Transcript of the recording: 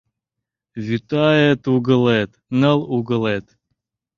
Вӱтаэт угылет — ныл угылет